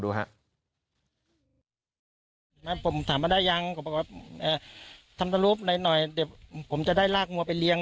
ดูนะผมถามได้ยังทำสรุปหน่อยผมจะได้รากวัวไปเลี้ยง